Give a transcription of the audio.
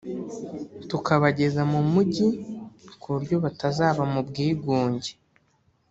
tukabageza mu mujyi ku buryo batazaba mu bwigunge